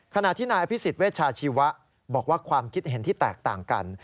ขณะที่นายอภิษฎเวชาชีวะบอกว่าความคิดเห็นที่แตกต่างกัน